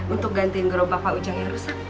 untuk gantiin gerobak pak ujang yang rusak